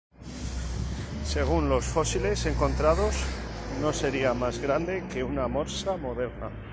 Según los fósiles encontrados, no sería más grande que una morsa moderna.